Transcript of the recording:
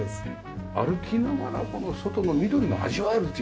歩きながらこの外の緑も味わえるというね。